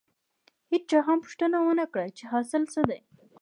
هېچا هم پوښتنه ونه کړه چې حاصل څه دی.